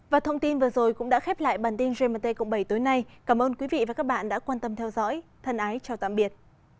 và thông tin vừa rồi cũng đã khép lại bản tin gmt cộng bảy tối nay cảm ơn quý vị và các bạn đã quan tâm theo dõi thân ái chào tạm biệt